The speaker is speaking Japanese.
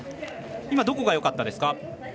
今、どこがよかったですか？